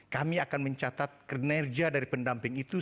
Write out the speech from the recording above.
kami akan mencatat kinerja dari pendamping itu